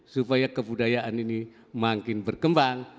supaya kebudayaan ini makin berkembang